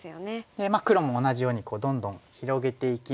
で黒も同じようにどんどん広げていきますと。